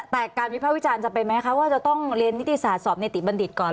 แต่การวิภาควิจารณ์จะเป็นไหมคะว่าจะต้องเรียนนิติศาสตร์สอบนิติบัณฑิตก่อน